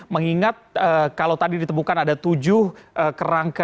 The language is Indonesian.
mengingat kalau tadi ditemukan ada tujuh kerangka